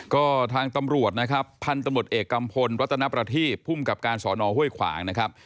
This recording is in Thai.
ก็ทางตำรวจนะครับพันธุ์ตำรวจเอกกัมพลรัตนประทีภูมิกับการสอนอห้วยขวางนะครับ